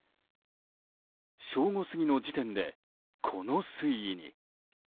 正午過ぎの時点でこの水位に。